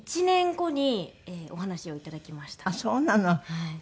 はい。